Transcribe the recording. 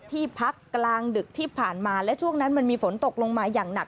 ที่ผ่านมาและช่วงนั้นมันมีฝนตกลงมาอย่างหนัก